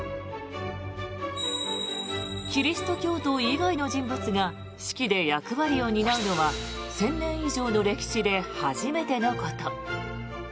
キリスト教徒以外の人物が式で役割を担うのは１０００年以上の歴史で初めてのこと。